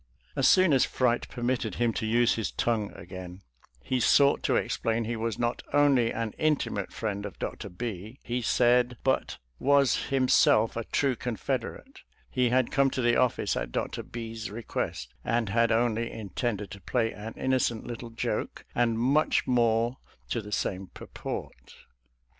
As soon as fright permitted him to use his tongue again, he sought to ex plain: he was not only an intimate friend of Dr. B , he said, but was himself a true Con federate ; he had come to the office at Dr. B 's request, and had only intended to play an inno cent little joke, and much more to the same pur port.